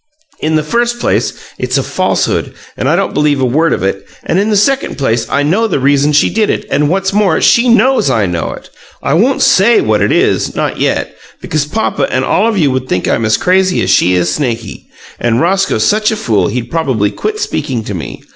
In the first place, it's a falsehood, and I don't believe a word of it; and in the second place I know the reason she did it, and, what's more, she KNOWS I know it! I won't SAY what it is not yet because papa and all of you would think I'm as crazy as she is snaky; and Roscoe's such a fool he'd probably quit speaking to me.